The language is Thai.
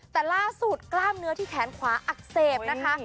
แต่ล่าสุดกล้ามเนื้อที่แขนขวาอักเสบนะคะ